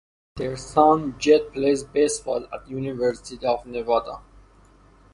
Their son Jed plays baseball at University of Nevada.